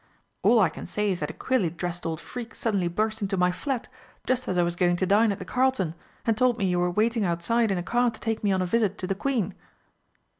"All I can say is that a queerly dressed old freak suddenly burst into my flat, just as I was going to dine at the Carlton, and told me you were waiting outside in a car to take me on a visit to the Queen."